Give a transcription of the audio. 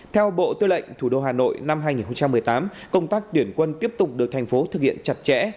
theo bộ tư lệnh thủ đô hà nội năm hai nghìn một mươi tám công tác tuyển quân tiếp tục được thành phố thực hiện chặt chẽ